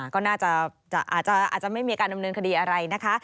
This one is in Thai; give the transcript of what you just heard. ก็น่าจะไม่มีการดำเนินคดีอะไรนะคะ